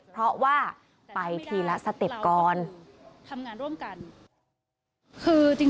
เพราะว่าไปทีละสเต็ปก่อน